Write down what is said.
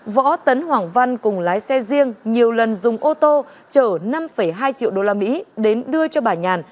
võ tấn hoàng văn cùng lái xe riêng nhiều lần dùng ô tô chở năm hai triệu usd đến đưa cho bà nhàn